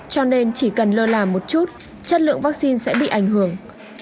cho nên chỉ cần lơ là một chút chất lượng vaccine sẽ bị ảnh hưởng